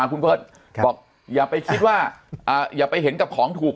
คุณเบิร์ตบอกอย่าไปคิดว่าอย่าไปเห็นกับของถูก